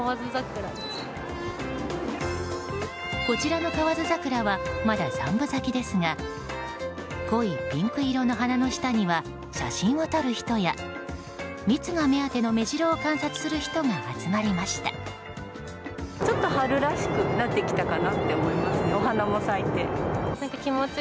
こちらの河津桜はまだ三分咲きですが濃いピンク色の花の下には写真を撮る人や蜜が目当てのメジロを観察する人が集まりました。